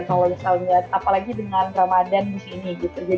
kalau misalnya apalagi dengan ramadhan di sini gitu